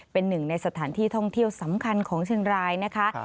เป็นหนึ่งในสถานที่ท่องเที่ยวสำคัญของเชียงรายนะคะ